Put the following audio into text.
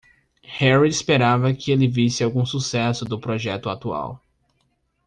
Harry esperava que ele visse algum sucesso do projeto atual.